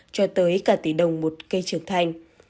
cho tới cả tỷ đồng một cây trưởng thành